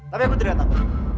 tapi aku tidak takut